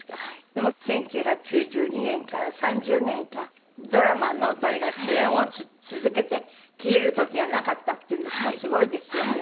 でも１９９２年から３０年間ドラマのとにかく主演を続けて切れる時がなかったっていうんですからすごいですよね。